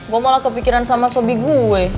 gue malah kepikiran sama sobi gue